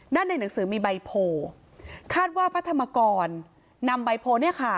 แล้วในหนังสือมีใบโพคาดว่าพระธรรมกรนำใบโพ